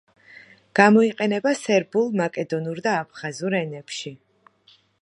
გამოიყენება სერბულ, მაკედონურ და აფხაზურ ენებში.